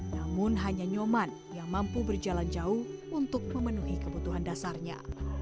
namun hanya nyoman yang mampu berjalan jauh untuk memenuhi kebutuhan dasarnya